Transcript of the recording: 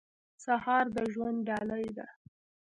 سهار د ژوند ډالۍ ده.